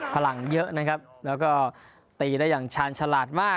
พลังเยอะนะครับแล้วก็ตีได้อย่างชาญฉลาดมาก